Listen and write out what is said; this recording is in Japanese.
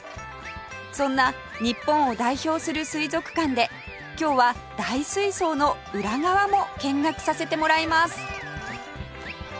そんな日本を代表する水族館で今日は大水槽の裏側も見学させてもらいます